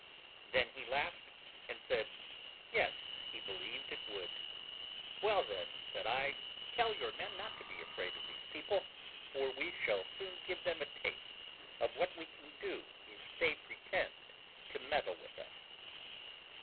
Then he laughed, and said, yes, he believed it would. "Well, then," said I, "tell your men not to be afraid of these people, for we shall soon give them a taste of what we can do if they pretend to meddle with us."